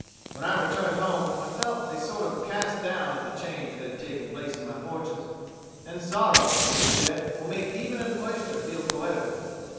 "When I returned home I felt a sort of cast down at the change that had taken place in my fortunes, and sorrow, it is said, will make even an oyster feel poetical.